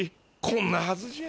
こんなはずじゃ。